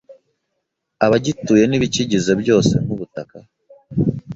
abagituye n’ibikigize byose nk’ubutaka,